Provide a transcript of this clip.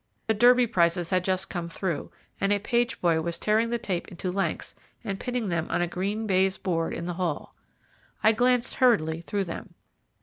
The Derby prices had just come through, and a page boy was tearing the tape into lengths and pinning them on a green baize board in the hall. I glanced hurriedly through them.